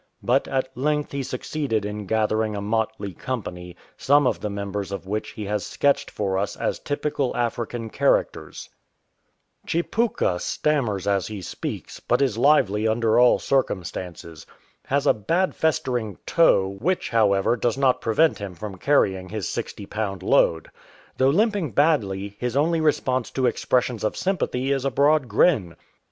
But at length he succeeded in gathering a motley company, some of the members of which he has sketched for us as typical African characters :—" Chipooka stammers as he speaks, but is lively under all circumstances ; has a bad festering toe, which, however, does not prevent him carrying his sixty pound load. Though limping badly, his only response to expressions of sympathy is a broad grin.